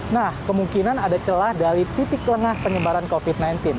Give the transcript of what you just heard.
nah kemungkinan ada celah dari titik lengah penyebaran covid sembilan belas